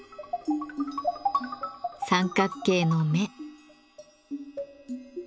三角形の目。